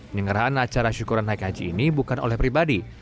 penyerahan acara syukuran naik haji ini bukan oleh pribadi